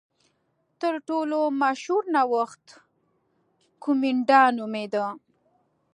تر ټولو مشهور نوښت کومېنډا نومېده.